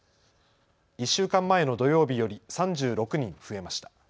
１週間前の土曜日より３６人増えました。